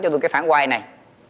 cho tôi cái phản quay này